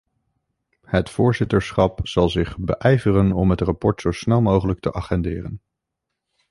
Het voorzitterschap zal zich beijveren om het rapport zo snel mogelijk te agenderen.